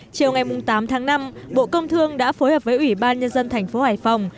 chiều ngày tám tháng năm bộ công thương đã phối hợp với ủy ban nhân dân tp hải phòng